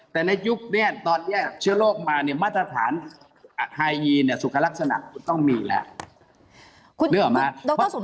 แต่ในยุคนี้ตอนนี้เชื้อโรคมาเนี่ยมาตรฐานไฮยีนเนี่ยสุขลักษณะคุณต้องมีแล้ว